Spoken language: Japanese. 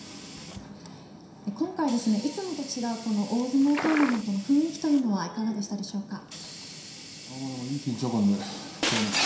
今回、いつもと違う大相撲トーナメントの雰囲気というのはいい緊張感で取れました。